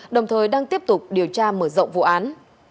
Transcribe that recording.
đồng thời đang tiếp tục điều tra mở rộng vụ án